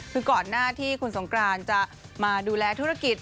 คือก่อนหน้าที่คุณสงกรานจะมาดูแลธุรกิจ